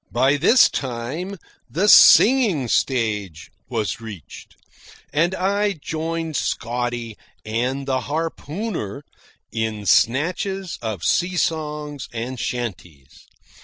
By this time the singing stage was reached, and I joined Scotty and the harpooner in snatches of sea songs and chanties.